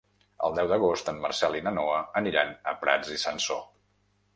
El deu d'agost en Marcel i na Noa aniran a Prats i Sansor.